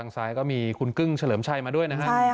ซ้ายก็มีคุณกึ้งเฉลิมชัยมาด้วยนะฮะ